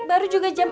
baru juga jam enam